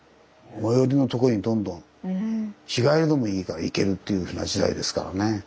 最寄りのとこにどんどん日帰りでもいいから行けるっていうふうな時代ですからね。